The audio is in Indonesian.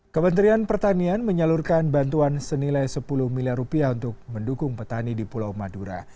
kementerian pertanian menyalurkan bantuan senilai sepuluh miliar rupiah untuk mendukung petani di pulau madura